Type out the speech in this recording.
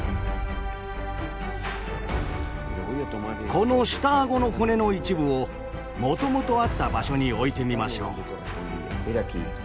この下顎の骨の一部をもともとあった場所に置いてみましょう。